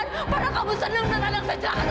ini ini semua gara gara kamu